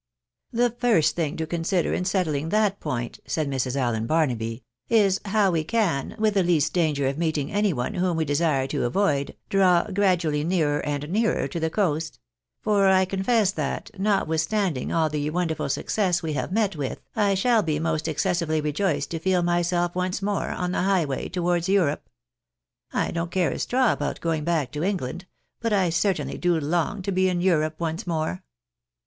" The first thing to consider in settling that point," said Mrs. AUen Barnaby, " is how we can, with the least danger of meeting any one whom we desire to avoid, draw gradually nearer and nearer to the coast ; for I confess that, notwithstanding all the wonderful success we have met with, I shall be most excessively rejoiced to feel myself once more on the highway towards Europe. I don't care a straw about going back to England ; but I certainly do long to be in Europe once more."